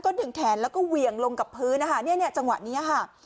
ก็ถึงแขนแล้วก็เหวี่ยงลงกับพื้นจังหวะนี้ค่ะ